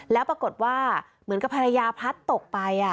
แล้วปรากฏว่าเหมือนกับภรรยาพลัดตกไป